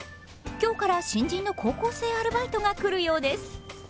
今日から新人の高校生アルバイトが来るようです。